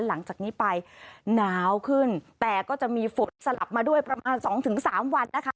หลังจากนี้ไปหนาวขึ้นแต่ก็จะมีฝนสลับมาด้วยประมาณสองถึงสามวันนะคะ